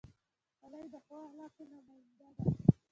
خولۍ د ښو اخلاقو نماینده ده.